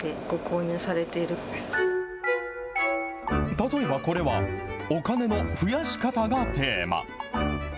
例えばこれは、お金の殖やし方がテーマ。